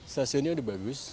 stasiunnya udah bagus